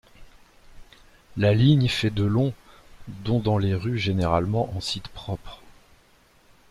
La ligne fait de long, dont dans les rues, généralement en site propre.